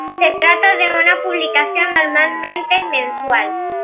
Se trata de una publicación normalmente mensual.